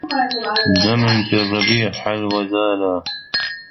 زمن كالربيع حل وزالا